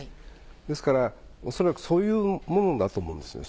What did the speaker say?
ですから、恐らくそういうものだと思うんですね。